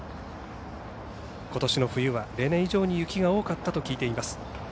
今年の冬は例年以上に雪が多かったと聞いています。